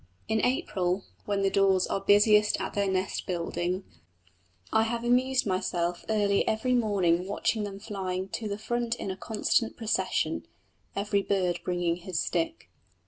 In April, when the daws are busiest at their nest building, I have amused myself early every morning watching them flying to the front in a constant procession, every bird bringing his stick.